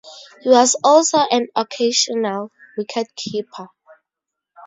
He was also an occasional wicketkeeper.